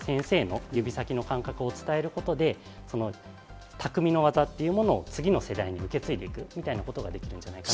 例えば陶芸家の指の感覚だったり、お琴の先生の指の感覚を伝えることで、巧みの技というものを次の世代に受け継いでいくみたいなことができるんじゃないかと。